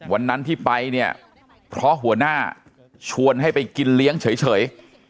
วันนั้นที่ไปเนี่ยเพราะหัวหน้าชวนให้ไปกินเลี้ยงเฉย